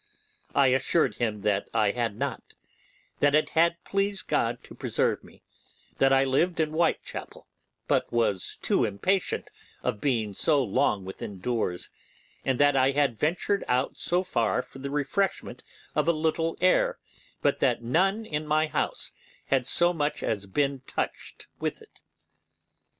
I assured him that I had not; that it had pleased God to preserve me; that I lived in Whitechappel, but was too impatient of being so long within doors, and that I had ventured out so far for the refreshment of a little air, but that none in my house had so much as been touched with it.